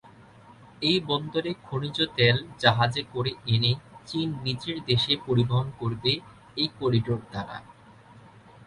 এই বন্দরে খনিজ তেল জাহাজে করে এনে চীন নিজের দেশে পরিবহন করবে এই করিডর দ্বারা।